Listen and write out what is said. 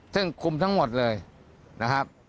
ซึ่งคุมทั้งหมดเลยนะครับ